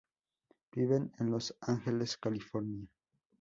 Viven en Los Ángeles California.